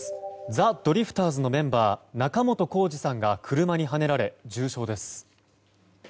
ザ・ドリフターズのメンバー仲本工事さんが車にはねられ、重傷です。